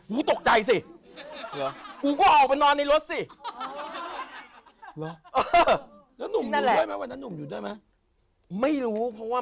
ไม่ฝาดเต็มลูกกระตา